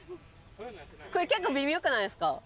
これ結構微妙っくないですか？